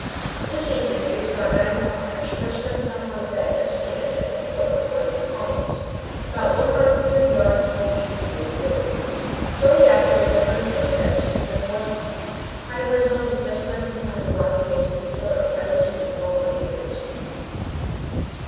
This evening it was about nine o'clock I stretched myself on a bed of sand at the foot of one of the columns, about one hundred yards to the east of the lagoon. Shortly afterwards I heard footsteps, then voices. Hiding myself as best I could behind the rocky base of the pillar, I listened with all my ears.